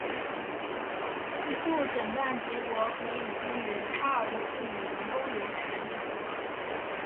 此外诊断结果可以给予胎儿的父母人工流产的选择。